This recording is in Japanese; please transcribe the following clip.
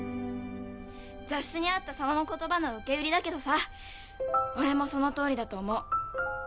雑誌にあった佐野の言葉の受け売りだけどさ俺もそのとおりだと思う。